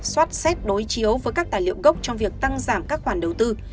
xoát xét đối chiếu với các tài liệu gốc trong việc tăng giảm các khoản đầu tư